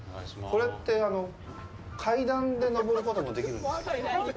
これって、階段で上ることもできるんでしたっけ。